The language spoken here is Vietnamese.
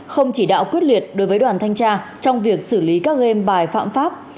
không chỉ đạo quyết liệt đối với đoàn thanh tra trong việc xử lý các game bài phạm pháp